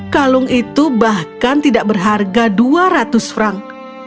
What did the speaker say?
kalung itu bahkan tidak berharga dua ratus frank